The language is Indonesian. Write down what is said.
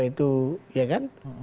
itu ya kan